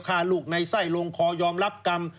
ฆ่าลูกในไส้ลงคอยอมรับกรรม